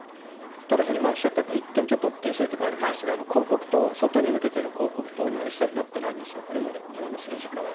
ただ、今おっしゃった、一点ちょっと、訂正っていうかあるんですが、広告塔、外に向けての広告塔には一切なってないんですよ、これまで、日本の政治家は。